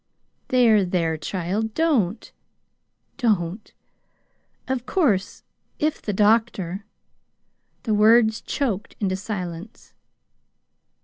"There, there, child, don't, don't! Of course, if the doctor " The words choked into silence.